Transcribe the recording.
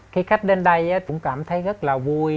khi khách đến đây cũng cảm thấy rất là vui